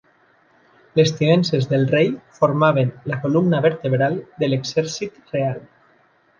Les tinences del rei formaven la columna vertebral de l'exèrcit real.